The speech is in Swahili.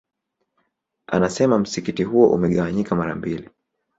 Anasema msikiti huo umegawanyika mara mbili